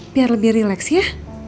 biar lebih rileks ya